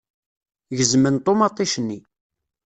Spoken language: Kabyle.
Gezmen ṭumaṭic-nni.